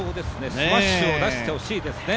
スマッシュを出してほしいですね。